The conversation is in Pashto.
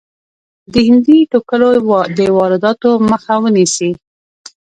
د هندي ټوکرو د وادراتو مخه ونیسي.